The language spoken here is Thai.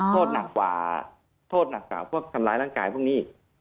โทษหนักกว่าโทษหนักกว่าพวกทำร้ายร่างกายพวกนี้